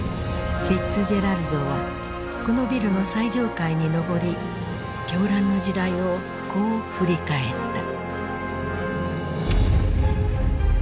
フィッツジェラルドはこのビルの最上階に上り狂乱の時代をこう振り返った。